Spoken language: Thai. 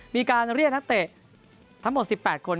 มีการเรียกนักเตะทั้งหมด๑๘คน